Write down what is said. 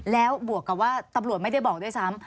แล้วบวกกับว่าตำรวจไม่ได้บอกด้วยซ้ำ